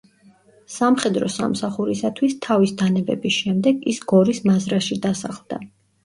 სამხედრო სამსახურისათვის თავის დანებების შემდეგ ის გორის მაზრაში დასახლდა.